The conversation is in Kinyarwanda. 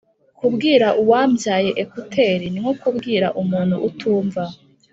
Kubwira uwambyaye ekuteri ni nkokubwira umuntu utumva